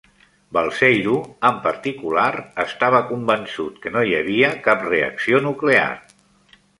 Balseiro, en particular, estava convençut que no hi havia cap reacció nuclear.